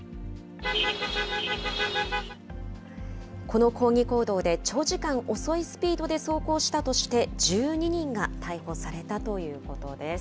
この抗議行動で、長時間、遅いスピードで走行したとして、１２人が逮捕されたということです。